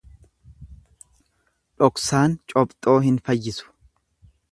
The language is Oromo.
dhoksaan cobxoo hin fayyisu.